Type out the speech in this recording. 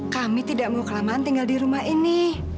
kami tidak mau kelamaan tinggal di rumah ini